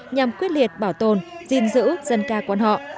nhằm quyết liệt bảo tồn dinh dữ dân ca quan họ